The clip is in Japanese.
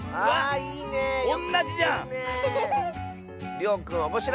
りょうくんおもしろいはっけん